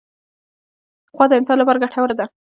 غوا د انسان لپاره ګټوره ده.